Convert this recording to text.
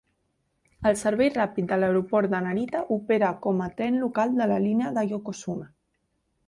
El servei ràpid de l'aeroport de Narita opera com a tren local de la línia de Yokosuna.